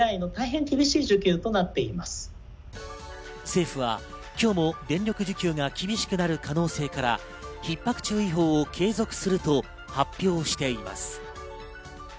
政府は今日も電力需給が厳しくなる可能性からひっ迫注意報を継続すると発表しています。